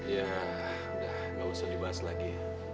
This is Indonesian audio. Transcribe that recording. ya udah gak usah dibahas lagi